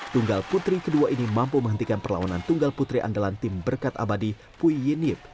tunggal putri kedua ini mampu menghentikan perlawanan tunggal putri andalan tim berkat abadi pui yenip